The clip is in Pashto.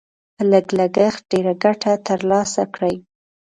په لږ لګښت ډېره ګټه تر لاسه کړئ.